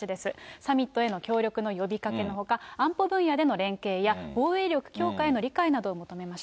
サミットへの協力の呼びかけのほか、安保分野での連携や、防衛力強化への理解などを求めました。